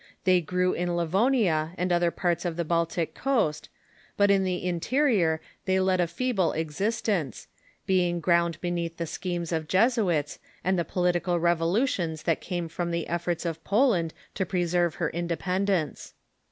They grew in Livonia and other parts of the Baltic coast, but in the interior tliey led a feeble existence, being ground beneath the schemes of Jesuits and the political revolutions that came from the efforts of Poland to preserve her independence.